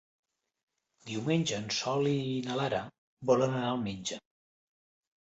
Diumenge en Sol i na Lara volen anar al metge.